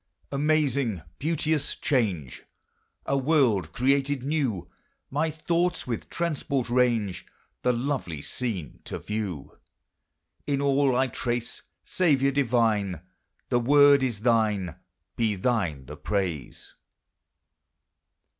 Amazing, beauteous change! A world created new! My thoughts with transport range, The lovely scene to view; In all I trace, Saviour divine, The word is thine, Be thine the praise!